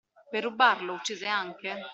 Per rubarlo, uccise anche?